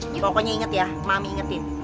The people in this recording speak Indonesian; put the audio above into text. ini pokoknya inget ya mami ingetin